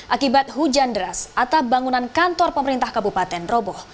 akibat hujan deras atap bangunan kantor pemerintah kabupaten roboh